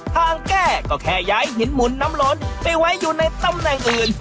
ทางแก้ก็แค่ย้ายหินหมุนน้ำล้นไปไว้อยู่ในตำแหน่งอื่น